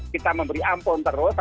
kita memberi ampun terus